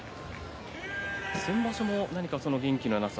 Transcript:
先場所も元気のなさ